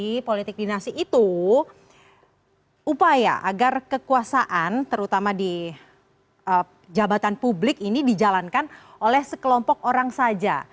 jadi politik dinasti itu upaya agar kekuasaan terutama di jabatan publik ini dijalankan oleh sekelompok orang saja